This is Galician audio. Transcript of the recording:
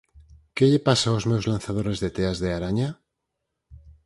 Que lle pasa aos meus lanzadores de teas de araña?